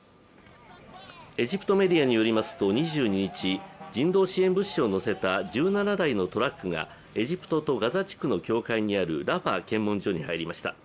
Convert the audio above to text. エジプトメディアによりますと２２日人道支援物資をのせた１７台のトラックがエジプトとガザ地区の境界にあるラファ検問所に入りました。